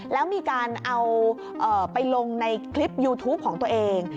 แล้วมีการเอาไปลงในคลิปยูทูปของตัวเอง